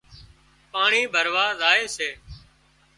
پاڻي ڀراوا زائي سي